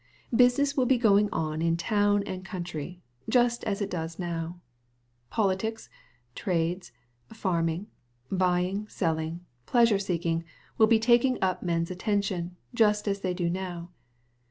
Business will be going on in town and country, just as it does now. Politics, trades, farming, buying, selling, pleasure seeking, will be taking up men's attention, just as they do now.